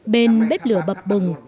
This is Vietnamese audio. bên bếp lửa bập bùng